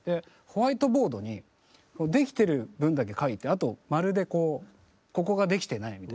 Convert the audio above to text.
ホワイトボードにできてる分だけ書いてあと「○」でこう「ここができてない」みたいな。